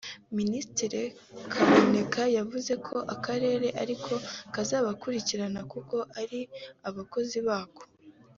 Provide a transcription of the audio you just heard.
Minisitiri Kaboneka yavuze ko Akarere ariko kazabakurikirana kuko ari abakozi bako